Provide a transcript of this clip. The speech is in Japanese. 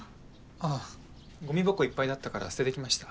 あっゴミ箱いっぱいだったから捨ててきました